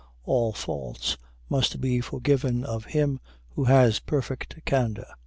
All faults may be forgiven of him who has perfect candor.